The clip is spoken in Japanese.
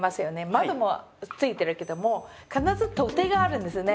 窓もついてるけども必ず取っ手があるんですよね。